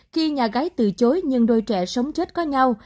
khi nhà gái từ chối nhưng đôi trẻ sống chết có nhau